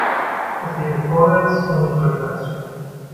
Es geht nicht vorwärts und nicht rückwärts.